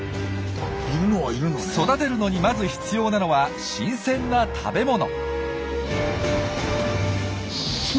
育てるのにまず必要なのは新鮮な食べ物。